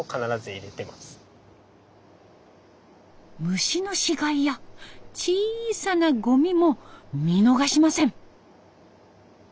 虫の死骸や小さなゴミも見逃しません。